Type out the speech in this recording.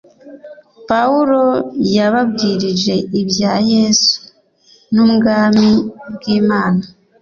pawulo yababwirije ibya yesu n'ubwami bw 'imana